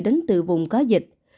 đến từ vùng có dịch